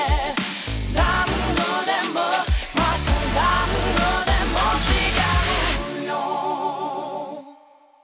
「何度でもまた何度でも誓うよ」